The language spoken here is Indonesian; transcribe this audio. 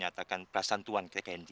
jangan jadil tuan